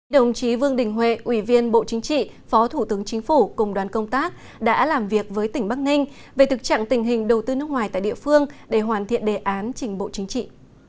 đồng chí vương đình huệ ủy viên bộ chính trị phó thủ tướng chính phủ cùng đoàn công tác đã làm việc với tỉnh bắc ninh về thực trạng tình hình đầu tư nước ngoài tại địa phương để hoàn thiện đề án trình bộ chính trị